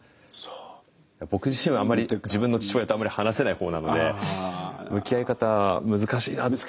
僕自身はあまり自分の父親とあまり話せない方なので向き合い方難しいなあ。